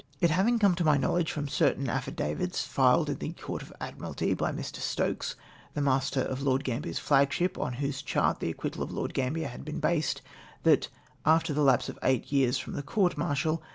It havinp; come to my knowledge, from certain affi davits filed in the Court of Admiralty by Mr. Stokes, the master of Lord Gambier's flagship, on whose chart the acquittal of Lord Gambler had been based — that, after the lapse of eight years from the court martial!